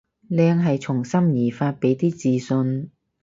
靚係從心而發，畀啲自信